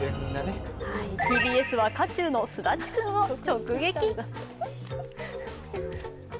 ＴＢＳは渦中のすだちくんを直撃。